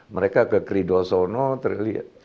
mereka ke keridosono terlihat